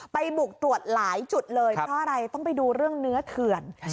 บุกตรวจหลายจุดเลยเพราะอะไรต้องไปดูเรื่องเนื้อเถื่อน